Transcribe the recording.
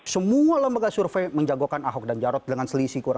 semua lembaga survei menjagokan avok dan jarok dengan sulhfather